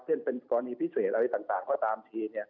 เช่นเป็นกรณีพิเศษอะไรต่างก็ตามที